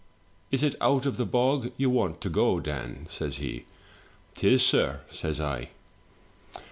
" 'Is it out of the bog you want to go, Dan?' says he. "' 'Tis, sir'," says I.